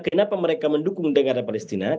kenapa mereka mendukung negara palestina